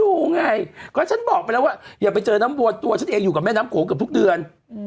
ไงก็ฉันบอกไปแล้วว่าอย่าไปเจอน้ำวัวตัวฉันเองอยู่กับแม่น้ำโขงเกือบทุกเดือน